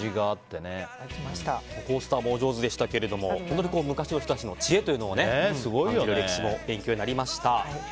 コースターもお上手でしたけど昔の人たちの知恵というのもね歴史も勉強になりました。